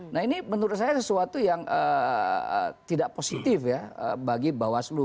nah ini menurut saya sesuatu yang tidak positif ya bagi bawaslu